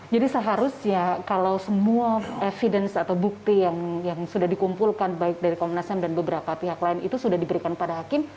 jadi seharusnya kalau semua evidence atau bukti yang sudah dikumpulkan baik dari komnas ham dan beberapa pihak lain itu sudah diberikan kepada hakim